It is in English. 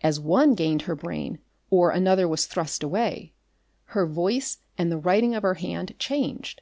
As one gained her brain or another was thrust away, her voice and the writing of her hand changed.